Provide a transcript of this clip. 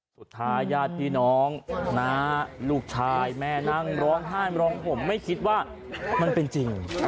สุดท้ายญาติพี่น้องน้าลูกชายแม่นั่งร้องไห้ร้องห่มไม่คิดว่ามันเป็นจริง